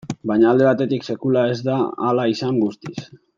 Baina alde batetik, sekula ez da hala izan guztiz.